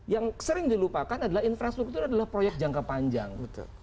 yang sering dilupakan adalah infrastruktur adalah proyek jangka panjang